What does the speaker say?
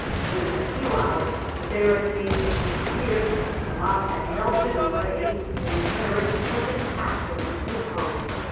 Within a few hours the barri cades had disappeared, the mob had melted away, and Paris was in absolute repose.